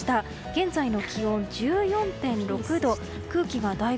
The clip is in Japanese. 現在の気温、１４．６度。